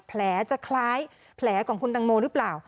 แผลจะคล้ายแผลของคุณตังโมหรือเปล่า